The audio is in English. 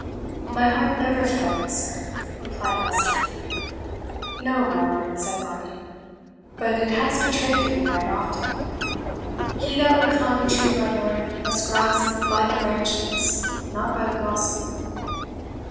"My heart never failed me, sir," replied Leicester. "No, my lord," said Varney; "but it has betrayed you right often. He that would climb a tree, my lord, must grasp by the branches, not by the blossom."